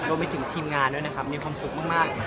รวมไปถึงทีมงานด้วยนะครับมีความสุขมาก